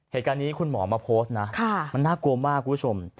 เหตุการณ์นี้คุณหมอมาโพสต์นะมันน่ากลัวมากคุณผู้ชม